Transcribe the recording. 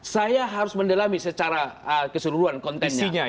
saya harus mendalami secara keseluruhan kontensinya